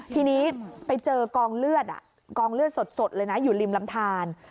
ทีนี้ไปเจอกองเลือดกองเลือดสดเลยนะอยู่ริมลำทาน